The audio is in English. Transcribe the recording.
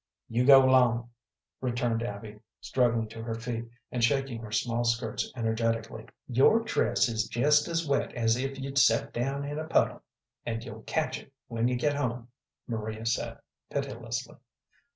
"You go 'long," returned Abby, struggling to her feet, and shaking her small skirts energetically. "Your dress is jest as wet as if you'd set down in a puddle, and you'll catch it when you get home," Maria said, pitilessly.